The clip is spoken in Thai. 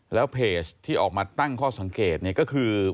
แล้วเพจที่ออกมาตั้งข้อสังเกตเนี่ยก็คือ